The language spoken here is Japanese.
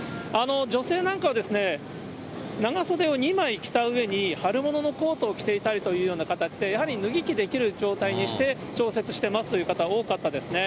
女性なんかは長袖を２枚着たうえに、春物のコートを着ていたりという形で、やはり脱ぎ着できる状態にして調節していますという方、多かったですね。